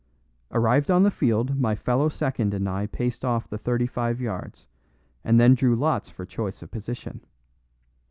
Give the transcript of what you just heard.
Arrived on the field, my fellow second and I paced off the thirty five yards, and then drew lots for choice of position.